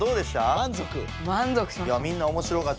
満足？